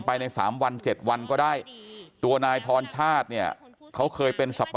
ไปใน๓วัน๗วันก็ได้ตัวนายพรชาติเนี่ยเขาเคยเป็นสับปะ